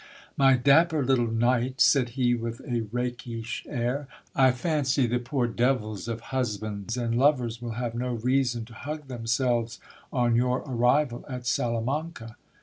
My dapper little knight, said he with a rakish air, I fancy the poor devils of husbands and lovers will have no reason to hug themselves on your arrival at Salamanca.